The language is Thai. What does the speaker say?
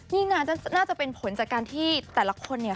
นี่น่าจะเป็นผลจากการที่แต่ละคนเนี่ย